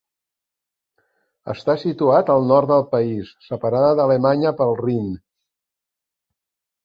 Està situat al nord del país, separada d'Alemanya pel Rin.